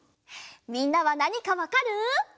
みんなはなにかわかる？